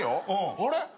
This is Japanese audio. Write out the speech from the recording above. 「あれ？